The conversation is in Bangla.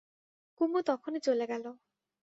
কুমু তখনই চলে গেল।